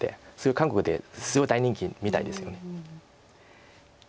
韓国ですごい大人気みたいですよね。